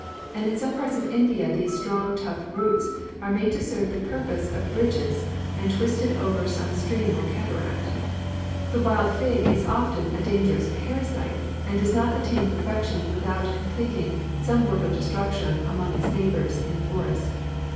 And in some parts of India these strong, tough roots are made to serve the purpose of bridges and twisted over some stream or cataract. The wild fig is often a dangerous parasite, and does not attain perfection without completing some work of destruction among its neighbors in the forest.